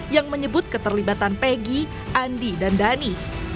yang menyebut keterlibatan peggy andi dan dhani